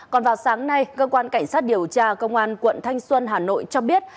còn vào sáng nay cơ quan cảnh sát điều tra công an quận thanh xuân hà nội cho biết